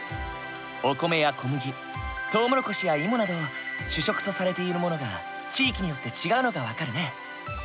お米や小麦トウモロコシや芋など主食とされているものが地域によって違うのが分かるね。